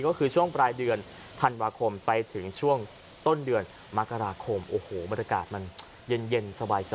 ก็คือช่วงปลายเดือนธันวาคมไปถึงช่วงต้นเดือนมกราคมโอ้โหบรรยากาศมันเย็นสบาย